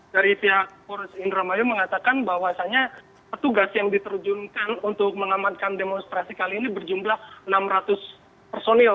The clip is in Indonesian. dari pihak polres indramayu mengatakan bahwasannya petugas yang diterjunkan untuk mengamankan demonstrasi kali ini berjumlah enam ratus personil